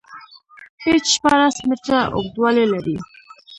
پېچ شپاړس میتره اوږدوالی لري.